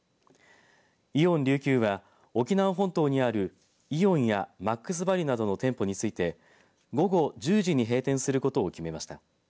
イオン琉球は沖縄本島にあるイオンやマックスバリュなどの店舗について午後１０時に閉店することを決めました。